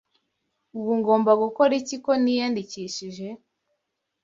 Ubu ngomba gukora iki ko niyandikishije?